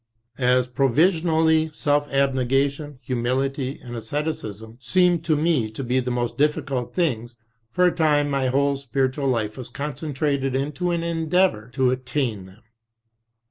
As provisionally, self abnegation, humility, and asceti cism seemed to me to be the most difficult things, for a time my whole spiritual life was concentrated into an endeavour to attain them.